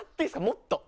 もっと。